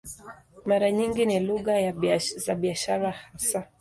Mara nyingi ni lugha za biashara hasa.